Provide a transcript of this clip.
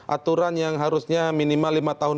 aturan yang harusnya minimal lima tahun